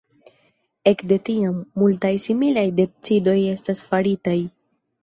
Ekde tiam, multaj similaj decidoj estas faritaj.